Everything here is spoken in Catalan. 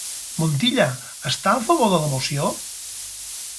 Montilla està a favor de la moció?